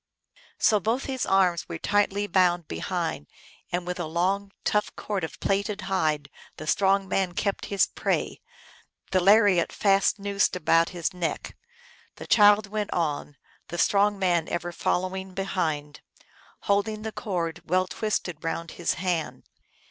" So both his arms were tightly bound behind, and with a long, tough cord of plaited hide the strong man kept his prey, the lariat fast noosed about his neck. The child went on, the strong man ever following behind, holding the cord well twisted round his hand.